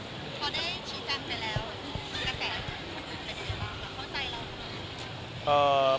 พอได้ชี้แจงไปแล้วแล้วก็แก้ข่าวไปหรือเปล่าเข้าใจหรือเปล่า